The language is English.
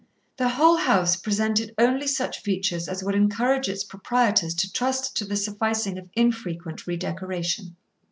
The whole house presented only such features as would encourage its proprietors to trust to the sufficing of infrequent re decoration.